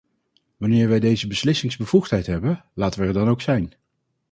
Wanneer wij deze beslissingsbevoegdheid hebben, laten wij er dan ook zijn.